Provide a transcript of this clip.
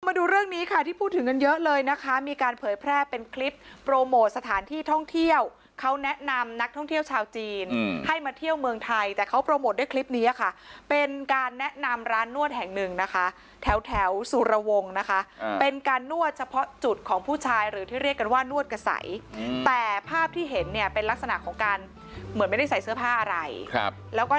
มาดูเรื่องนี้ค่ะที่พูดถึงกันเยอะเลยนะคะมีการเผยแพร่เป็นคลิปโปรโมทสถานที่ท่องเที่ยวเขาแนะนำนักท่องเที่ยวชาวจีนให้มาเที่ยวเมืองไทยแต่เขาโปรโมทด้วยคลิปนี้ค่ะเป็นการแนะนำร้านนวดแห่งหนึ่งนะคะแถวแถวสุรวงศ์นะคะเป็นการนวดเฉพาะจุดของผู้ชายหรือที่เรียกกันว่านวดกระใสแต่ภาพที่เห็นเนี่ยเป็นลักษณะของการเหมือนไม่ได้ใส่เสื้อผ้าอะไรครับแล้วก็